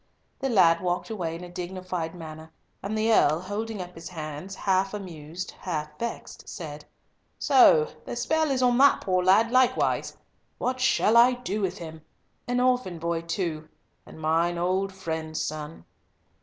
The lad walked away in a dignified manner, and the Earl, holding up his hands, half amused, half vexed, said, "So the spell is on that poor lad likewise. What shall I do with him? An orphan boy too, and mine old friend's son."